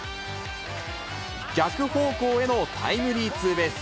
逆方向へのタイムリーツーベース。